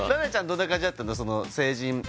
どんな感じだったの？